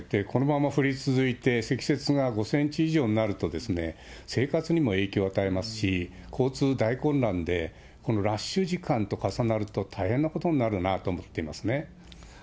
このまま降り続いて積雪が５センチ以上になると、生活にも影響を与えますし、交通、大混乱で、今度ラッシュ時間と重なると大変なことになるなと思っていますね。